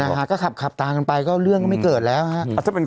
นะฮะก็ขับขับตามกันไปก็เรื่องก็ไม่เกิดแล้วฮะ